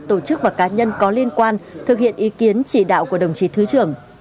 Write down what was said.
tổ chức và cá nhân có liên quan thực hiện ý kiến chỉ đạo của đồng chí thứ trưởng